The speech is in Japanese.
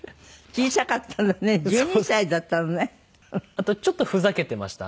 あとちょっとふざけてました。